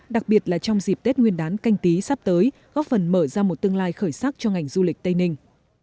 đặc biệt là trong dịp tết nguyên đán canh tí sắp tới góp phần mở ra một tương lai khởi sắc cho ngành du lịch tây ninh